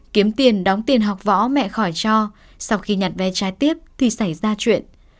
kiếm tiền đóng tiền học võ mẹ khỏi cho sau khi nhặt ve trai tiếp thì xảy ra chuyện